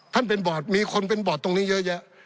เป็นบอร์ดมีคนเป็นบอร์ดตรงนี้เยอะแยะ